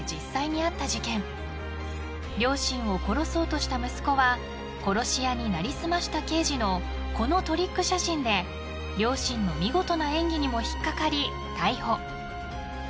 ［両親を殺そうとした息子は殺し屋に成り済ました刑事のこのトリック写真で両親の見事な演技にも引っ掛かり逮捕］